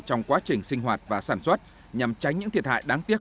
trong quá trình sinh hoạt và sản xuất nhằm tránh những thiệt hại đáng tiếc